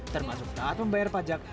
termasuk saat membayar pajak